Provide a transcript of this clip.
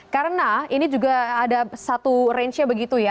karena ini juga ada satu range nya begitu ya